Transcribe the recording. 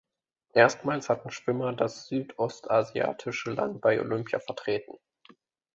Erstmals hatten Schwimmer das südostasiatische Land bei Olympia vertreten.